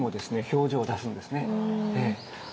表情を出すんですねええ。